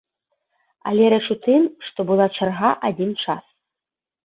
Але рэч у тым, што была чарга адзін час.